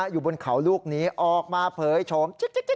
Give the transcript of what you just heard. อยู่บนเขาลูกนี้ออกมาเผยโฉม